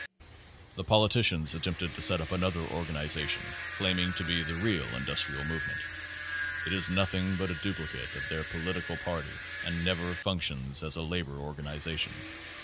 The politicians attempted to set up another organi zation, claiming to be the real industrial movement. It is nothing but a duplicate of their political party and never functions as a labor organization.